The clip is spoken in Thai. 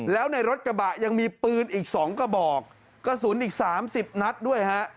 แล้วในรถกระบะยังมีปืนอีก๒กระบอกกระสุนอีก๓๐นัดด้วยฮะ